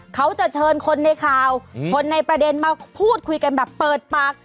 เขาจะเชิญคนในข่าวคนในประเด็นมาพูดคุยกันแบบเปิดปาก